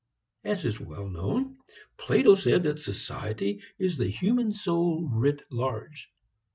As is well known, Plato said that society is the human soul writ large.